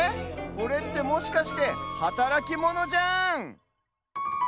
これってもしかしてはたらきモノじゃん！